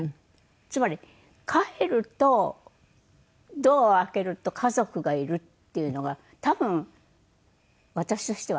つまり帰るとドアを開けると家族がいるっていうのが多分私としては。